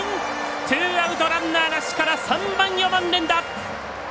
ツーアウト、ランナーなしから３番、４番、連打。